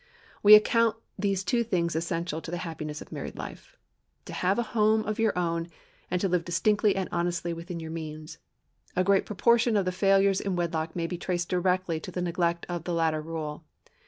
We account these two things essential to the happiness of married life,—to have a home of your own, and to live distinctly and honestly within your means. A great proportion of the failures in wedlock may be traced directly to the neglect of the latter rule.